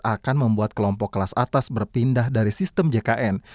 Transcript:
akan membuat kelompok kelas atas berpindah dari sistem jkn